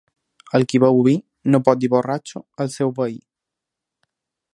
El qui beu vi no pot dir borratxo al seu veí.